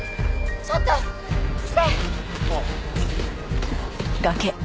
ちょっと来て！